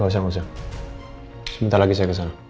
gak usah gak usah sebentar lagi saya kesana